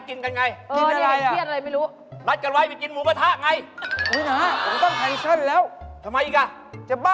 ก็บอกเรายังไงงานเลิศต้องไปหาอะไรกินกัน